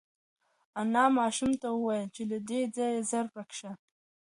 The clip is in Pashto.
انا ماشوم ته وویل چې له دې ځایه زر ورک شه.